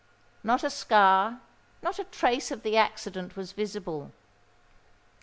Not a scar—not a trace of the accident was visible.